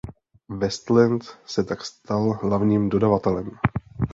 Westland se tak stal hlavním dodavatelem.